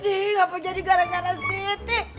ini apa jadi gara gara segiti